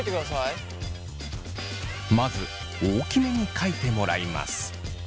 まず大きめに書いてもらいます。